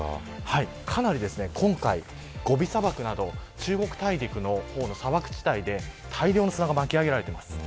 かなり今回、ゴビ砂漠など中国大陸の砂漠地帯で大量の砂がまき上げられています。